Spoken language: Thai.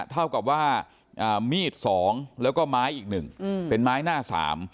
เท่ากับว่ามีด๒แล้วก็ไม้อีก๑เป็นไม้หน้า๓